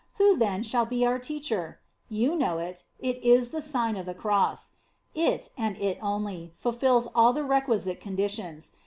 Who, then, shall be our teacher? You know it; it is the Sign of the Cross. It, and it only, fulfils all the requisite conditions.